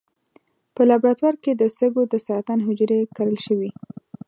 په لابراتوار کې د سږو د سرطان حجرې کرل شوي.